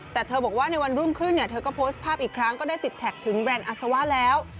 แต่เธอบอกว่าในวันรุ่งขึ้นเนี่ยเธอก็โพสต์ภาพอีกครั้งก็ได้ติดแท็กถึงแบรนด์อาซาวะแล้ว